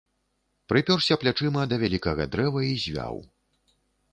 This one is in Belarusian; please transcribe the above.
Прыпёрся плячыма да вялікага дрэва і звяў.